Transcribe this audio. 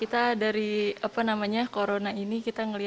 kita juga menunggu dan juga menyambut baik ketika memang itu sudah ada dan berlaku